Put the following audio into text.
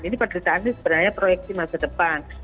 ini penderitaan ini sebenarnya proyeksi masa depan